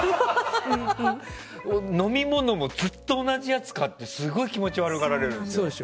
飲み物もずっと同じやつを買ってすごい気持ち悪がられるんですよ。